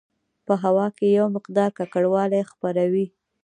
په هوا کې یو مقدار ککړوالی خپروي.